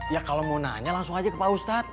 ya kalau mau nanya langsung aja ke pak ustadz